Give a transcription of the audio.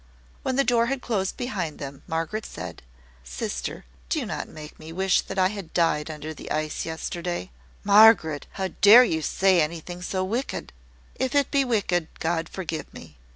When the door had closed behind them, Margaret said "Sister, do not make me wish that I had died under the ice yesterday." "Margaret, how dare you say anything so wicked?" "If it be wicked, God forgive me!